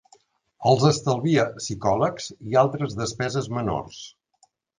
Els estalvia psicòlegs i altres despeses menors.